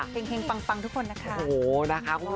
เห็งปังทุกคนนะคะ